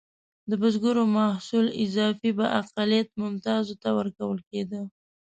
د بزګرو محصول اضافي به اقلیت ممتازو ته ورکول کېده.